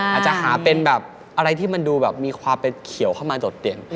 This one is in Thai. อาจจะหาเป็นแบบอะไรที่มันดูแบบมีความเป็นเขียวเข้ามาโดดเด่น